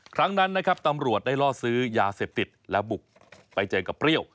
ครั้งนั้นนะครับตำรวจได้ล่อซื้อยาเสพติดและบุกไปเจอกับเปรี้ยว